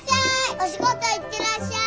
お仕事行ってらっしゃい！